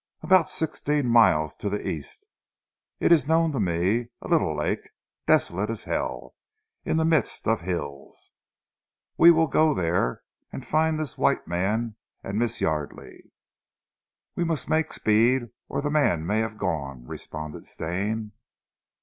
"About sixteen miles to zee East. It ees known to me. A leetle lak' desolate as hell, in zee midst of hills. We weel go there, an' find dis white man an' Mees Yardely." "We must make speed or the man may be gone," responded Stane.